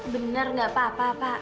bener gak apa apa pak